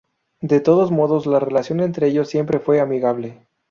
De todos modos, la relación entre ellos siempre fue amigable.